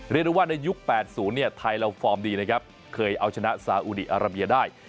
เรียกได้ว่าในยุค๘๐เนี่ยไทยเราฟอร์มดีนะครับเคยเอาชนะสาอุดีอาราเบียได้